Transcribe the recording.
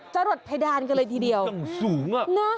หลดเพดานกันเลยทีเดียวสูงอ่ะนะ